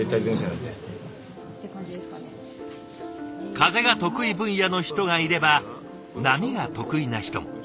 風が得意分野の人がいれば波が得意な人も。